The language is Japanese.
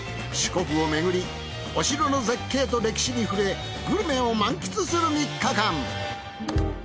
四国をめぐりお城の絶景と歴史に触れグルメを満喫する３日間。